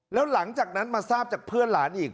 แล้วหลังจากนั้นมาทราบจากเพื่อนหลานอีก